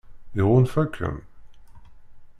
Iɣunfa-kem?